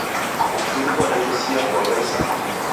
W'ushuru ghwadatesia kuagha isanga.